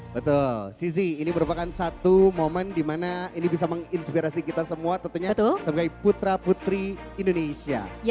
betul sisi ini merupakan satu momen di mana ini bisa menginspirasi kita semua tentunya sebagai putra putri indonesia